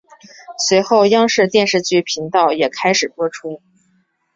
随后央视电视剧频道也开始播出。